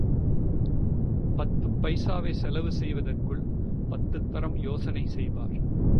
பத்து பைசாவை செலவு செய்வதற்குள், பத்துத்தரம் யோசனை செய்வார்.